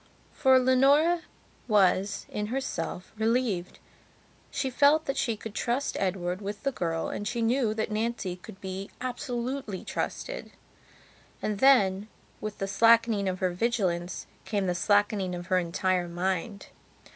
For Leonora was, in herself, relieved. She felt that she could trust Edward with the girl and she knew that Nancy could be absolutely trusted. And then, with the slackening of her vigilance, came the slackening of her entire mind.